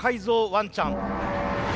ワンちゃん。